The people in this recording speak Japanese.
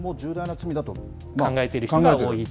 考えている人が多い。